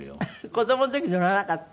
子どもの時乗らなかった？